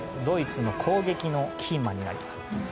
ドイツの攻撃のキーマンになります。